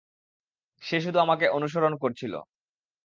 সে শুধু আমাকে অনুসরণ করছিল।